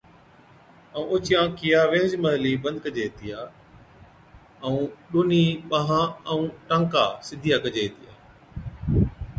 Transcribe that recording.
ائُون اوڇِيا آنکيا ويھِچ مھلِي بند ڪجي ھِتيا ائُون ڏُونھِين ٻانھان ائُون ٽانڪان سِڌيا ڪجي ھِتيا